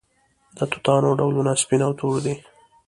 د توتانو ډولونه سپین او تور دي.